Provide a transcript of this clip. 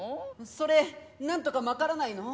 それなんとかまからないの？